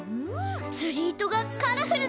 つりいとがカラフルだね！